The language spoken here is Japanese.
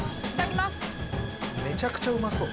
めちゃくちゃうまそう。